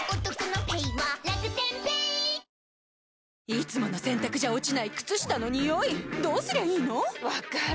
いつもの洗たくじゃ落ちない靴下のニオイどうすりゃいいの⁉分かる。